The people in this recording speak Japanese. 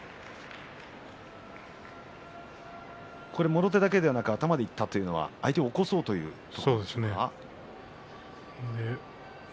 もろ手だけではなく頭でいったのは相手を起こそうということだったんでしょうか。